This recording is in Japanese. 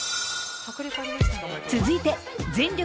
続いて「全力！